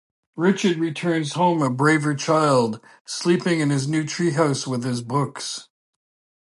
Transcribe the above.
Richard returns home a braver child, sleeping in his new treehouse with his books.